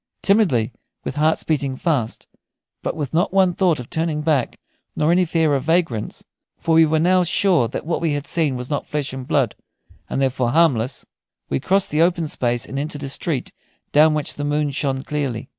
Timidly, with hearts beating fast, but with not one thought of turning back, nor any fear of vagrants for we were now sure that what we had seen was not flesh and blood, and therefore harmless we crossed the open space and entered a street down which the moon shone clearly.